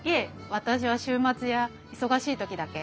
私は週末や忙しい時だけ。